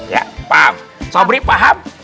ya paham sobri paham